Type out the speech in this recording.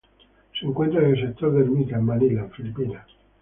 Se encuentra en el sector de Ermita, en Manila, en Filipinas.